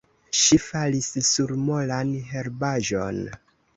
Ŝi falis sur molan herbaĵon.